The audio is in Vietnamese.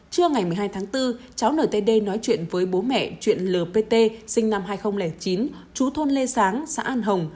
trưa ngày một mươi hai tháng bốn cháu nở tê đê nói chuyện với bố mẹ chuyện l p t sinh năm hai nghìn chín chú thôn lê sáng xã an hồng